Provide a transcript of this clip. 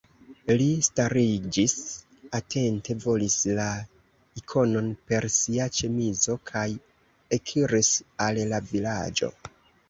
Li stariĝis, atente volvis la ikonon per sia ĉemizo kaj ekiris al la vilaĝo.